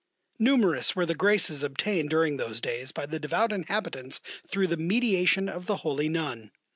Numerous were the graces obtained during those days by the devout inhabitants through the mediation of the holy nun.